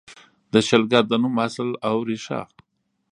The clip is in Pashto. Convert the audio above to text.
د شلګر د نوم اصل او ریښه: